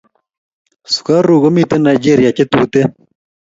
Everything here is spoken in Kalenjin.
Sukaruk ko miten nigeria che tutten